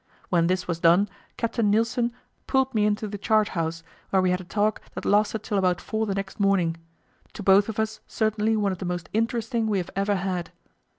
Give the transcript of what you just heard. When this was done, Captain Nilsen pulled me into the chart house, where we had a talk that lasted till about four the next morning to both of us certainly one of the most interesting we have ever had.